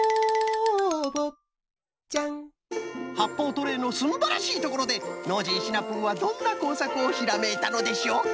はっぽうトレーのすんばらしいところでノージーシナプーはどんなこうさくをひらめいたのでしょうか？